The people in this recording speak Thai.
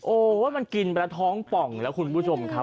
โอ้ว่ามันกินไปแล้วท้องป่องแล้วคุณผู้ชมครับ